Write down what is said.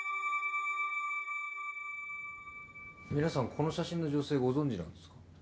皆さんこの写真の女性ご存じなんですか？